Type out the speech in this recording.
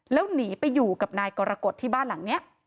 แล้วหนีไปอยู่กับนายกรกฎที่บ้านหลังนี้